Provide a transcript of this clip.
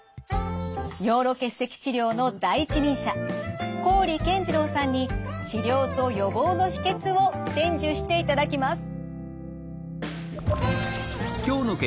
尿路結石治療の第一人者郡健二郎さんに治療と予防の秘訣を伝授していただきます。